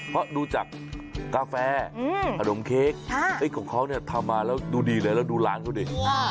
เพราะดูจากกาแฟขนมเค้กของเขาเนี่ยทำมาแล้วดูดีเลยแล้วดูหลานเขาดิ